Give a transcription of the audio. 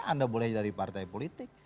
anda boleh dari partai politik